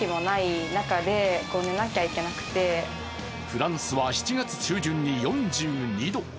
フランスは７月中旬に４２度。